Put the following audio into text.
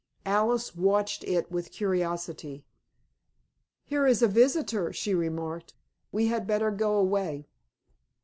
Alice watched it with curiosity. "Here is a visitor," she remarked. "We had better go away."